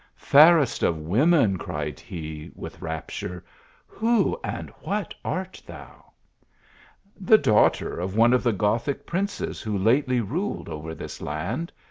"Fairest of women," cried he, with rapture, " who and what art thou ?"" The daughter of one of the Gothic princes who lately ruled over this land.